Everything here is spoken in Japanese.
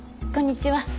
こんにちは。